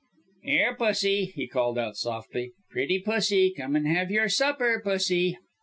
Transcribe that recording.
"Here pussy," he called out, softly. "Pretty pussy, come and have your supper! Pussy!"